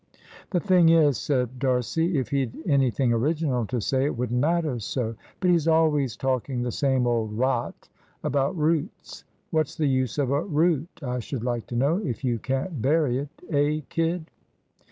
"The thing is," said D'Arcy, "if he'd anything original to say it wouldn't matter so. But he's always talking the same old rot about roots. What's the use of a root, I should like to know, if you can't bury it? Eh, kid?"